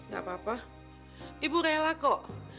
gak apa apa ibu rela kok